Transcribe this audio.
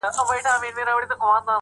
حمزه په یوه بل ډول هم ښکلا پنځوي